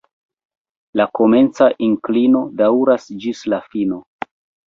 Komenca inklino daŭras ĝis la fino.